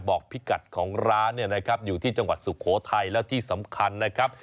พิกัดของร้านเนี่ยนะครับอยู่ที่จังหวัดสุโขทัยและที่สำคัญนะครับ